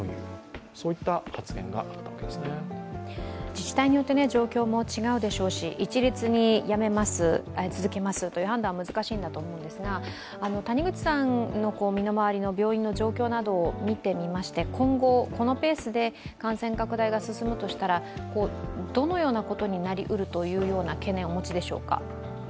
自治体によって状況も違うでしょうし一律にやめます、続けますという判断は難しいんだと思うんですが、谷口さんの身の回りの病院の状況などを見てみまして今後、このペースで感染拡大が進むとしたらどのようなことになりうるという懸念をお持ちでしょうか。